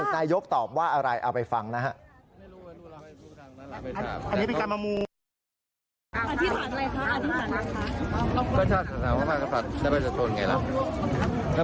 นายกตอบว่าอะไรเอาไปฟังนะครับ